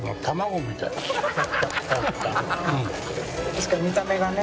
確かに見た目がね。